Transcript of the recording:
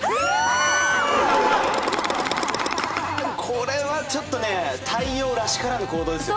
これはちょっとね太陽らしからぬ行動ですよ。